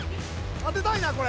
当てたいな、これ。